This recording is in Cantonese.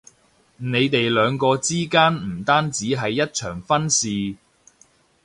你哋兩個之間唔單止係一場婚事